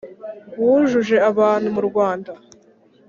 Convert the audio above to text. wujuje abantu mu rwanda